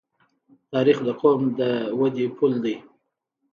تاریخ د قوم د ودې پل دی.